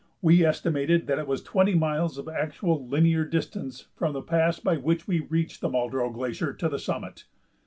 We estimated that it was twenty miles of actual linear distance from the pass by which we reached the Muldrow Glacier to the summit.